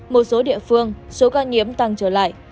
một số địa phương số ca nhiễm tăng trở lại